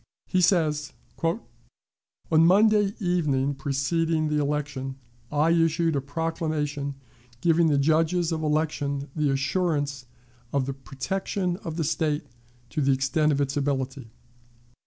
He says: "On Monday evening preceding the election I issued a proclamation giving the judges of election the assurance of the protection of the State to the extent of its ability.